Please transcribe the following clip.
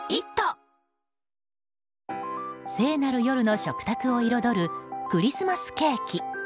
聖なる夜の食卓を彩るクリスマスケーキ。